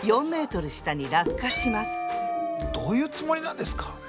どういうつもりなんですか？